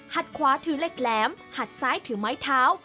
ขวาถือเหล็กแหลมหัดซ้ายถือไม้เท้า